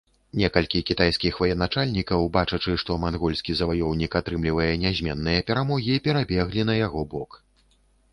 Некалькі кітайскіх военачальнікаў, бачачы, што мангольскі заваёўнік атрымлівае нязменныя перамогі, перабеглі на яго бок.